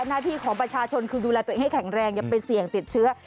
หน้าที่ของประชาชนคือดูแลตัวเองให้แข็งแรงอย่าไปเสี่ยงติดเชื้อ